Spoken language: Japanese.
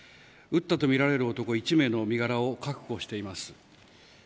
撃ったとみられる男１名の身柄を確保しています。